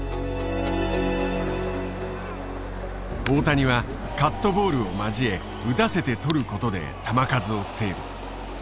大谷はカットボールを交え打たせてとることで球数をセーブ。